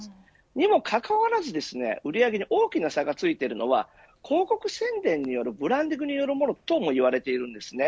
にもかかわらず売り上げに大きな差がついているのは広告宣伝によるブランディングによるものともいわれています。